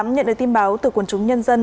nhận được tin báo từ quần chúng nhân dân